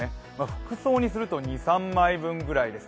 服装にすると２３枚分ぐらいです。